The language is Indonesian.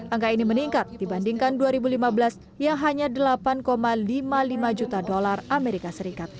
angka ini meningkat dibandingkan dua ribu lima belas yang hanya delapan lima puluh lima juta dolar as